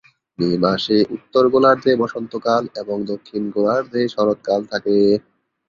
মে মাসে উত্তর গোলার্ধে বসন্ত কাল এবং দক্ষিণ গোলার্ধে শরৎ কাল থাকে।